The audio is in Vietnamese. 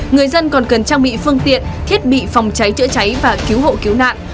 người dân còn cần trang bị phương tiện thiết bị phòng cháy chữa cháy và cứu hộ cứu nạn